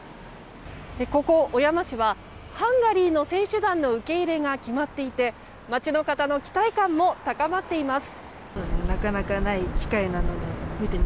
ここ、小山市はハンガリーの選手団の受け入れが決まっていて街の方の期待感も高まっています。